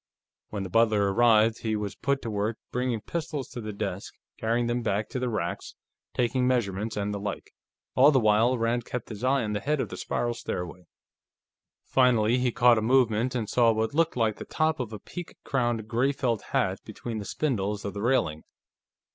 When the butler arrived, he was put to work bringing pistols to the desk, carrying them back to the racks, taking measurements, and the like. All the while, Rand kept his eye on the head of the spiral stairway. Finally he caught a movement, and saw what looked like the top of a peak crowned gray felt hat between the spindles of the railing.